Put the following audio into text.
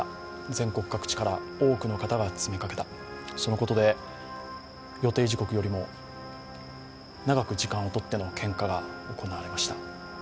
全国各地から多くの方が詰めかけた、そのことで、予定時刻よりも長く時間をとっての献花が行われました。